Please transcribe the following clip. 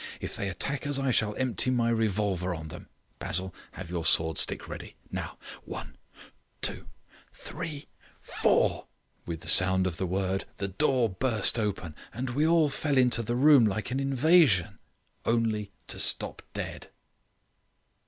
If they attack us I shall empty my revolver on them. Basil, have your sword stick ready. Now one, two, three, four!" With the sound of the word the door burst open, and we fell into the room like an invasion, only to stop dead.